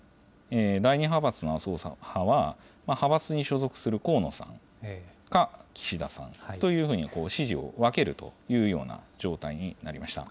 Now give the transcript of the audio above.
第２派閥の麻生派は、派閥に所属する河野さんか岸田さんというふうに、支持を分けるというような状態になりました。